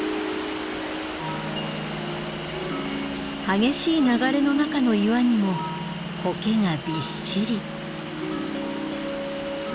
激しい流れの中の岩にもコケがびっしり。